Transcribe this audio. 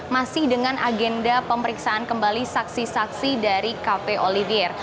masih dengan agenda pemeriksaan kembali saksi saksi dari cafe olivier